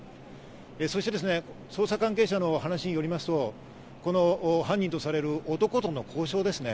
そして捜査関係者の話によりますと、この犯人とされる男との交渉ですね。